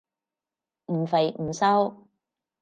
唔肥唔瘦